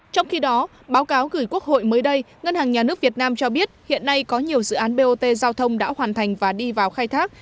trong khi đó báo cáo gửi quốc hội mới đây ngân hàng nhà nước việt nam cho biết hiện nay có nhiều dự án bot giao thông đã hoàn thành và đi vào khai thác